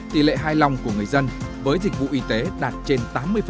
tỷ lệ hài lòng của người dân với dịch vụ y tế đạt trên tám mươi